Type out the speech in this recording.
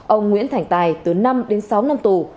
ông nguyễn thành tài từ năm đến sáu năm tù